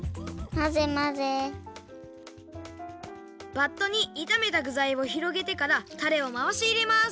バットにいためたぐざいをひろげてからタレをまわしいれます。